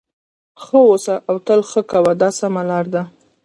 ښه اوسه او تل ښه کوه دا سمه لار ده.